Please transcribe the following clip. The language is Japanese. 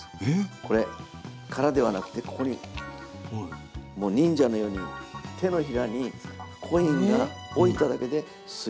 これ、空ではなくてここにもう忍者のように手の平にコインが置いただけで吸い付く。